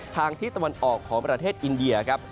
ทางที่ตะวันออกของประเทศอินเดียครับ